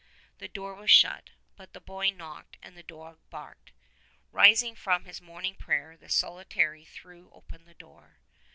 The door was shut, but the boy knocked and the dog barked. Rising from his morning prayer the solitary threw open the door.